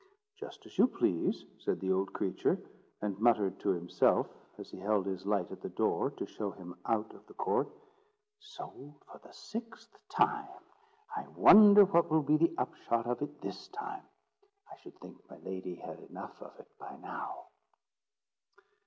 "Just as you please," said the old creature, and muttered to himself as he held his light at the door to show him out of the court: "Sold for the sixth time! I wonder what will be the upshot of it this time. I should think my lady had enough of it by now!"